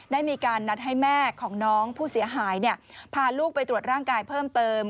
ได้มีการนัดให้แม่ของน้องผู้เสียหายพาลูกไปตรวจร่างกายเพิ่มเติม